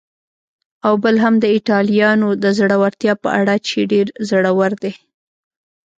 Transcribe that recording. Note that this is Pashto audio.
او بل هم د ایټالویانو د زړورتیا په اړه چې ډېر زړور دي.